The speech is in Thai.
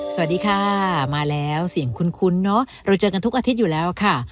สวัสดีค่ะมาแล้วเสียงคุ้นเนอะเราเจอกันทุกอาทิตย์อยู่แล้วค่ะ